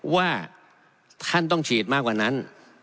ว่าท่านต้องฉีดมากกว่านั้น